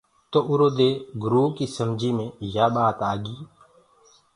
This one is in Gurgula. تو اُرو دي گُريو ڪي سمجي مي يآ ٻآت آگي۔